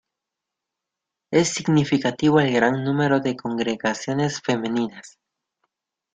Es significativo el gran número de congregaciones femeninas.